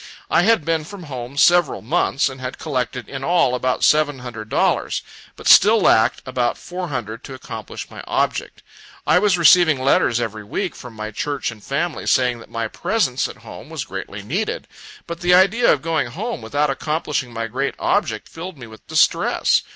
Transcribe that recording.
I had been from home several months, and had collected in all about seven hundred dollars, but still lacked about four hundred to accomplish my object. I was receiving letters every week from my Church and family, saying that my presence at home was greatly needed; but the idea of going home without accomplishing my great object, filled me with distress.